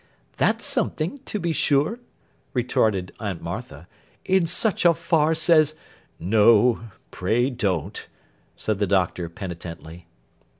'That's something, to be sure,' retorted Aunt Martha, 'in such a farce as—' 'No, pray don't,' said the doctor penitently.